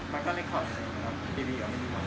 กลับมาที่นี่